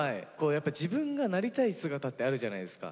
やっぱ自分がなりたい姿ってあるじゃないですか。